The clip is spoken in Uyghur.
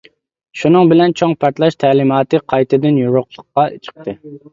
شۇنىڭ بىلەن چوڭ پارتلاش تەلىماتى قايتىدىن يورۇقلۇققا چىقتى.